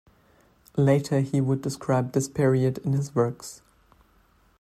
Later he would describe this period in his works.